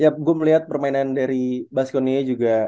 setiap gue melihat permainan dari baskonia juga